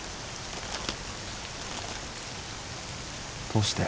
どうして？